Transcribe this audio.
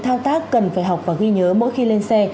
thao tác cần phải học và ghi nhớ mỗi khi lên xe